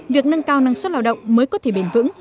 việc nâng cao năng suất lao động mới có thể bền vững